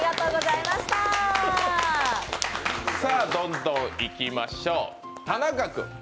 どんどんいきましょう田中君。